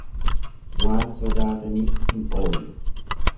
Waan sodaatanif hin oolle.